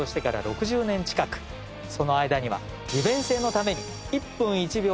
その間には。